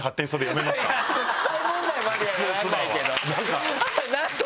国際問題までにはなんないけど。